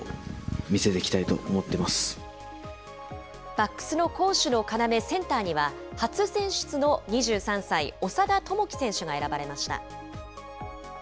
バックスの攻守の要、センターには、初選出の２３歳、長田智希選手が選ばれました。